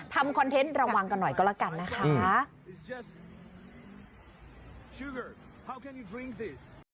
คอนเทนต์ระวังกันหน่อยก็แล้วกันนะคะ